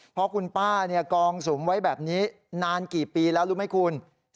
เพราะคุณป้ากองสุมไว้แบบนี้นานกี่ปีแล้วรู้ไหมคุณ